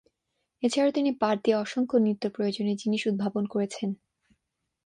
এছাড়াও তিনি পাট দিয়ে অসংখ্য নিত্যপ্রয়োজনীয় জিনিস উদ্ভাবন করেছেন।